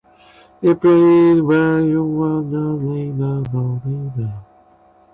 Airplanes were used for reconnaissance, bombing, and aerial combat.